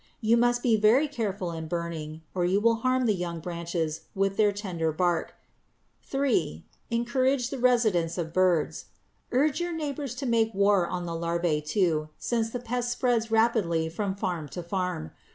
You must be very careful in burning or you will harm the young branches with their tender bark. (3) Encourage the residence of birds. Urge your neighbors to make war on the larvæ, too, since the pest spreads rapidly from farm to farm.